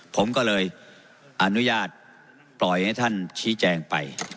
ผมก็เลยอนุญาตปล่อยให้ท่านชี้แจงไป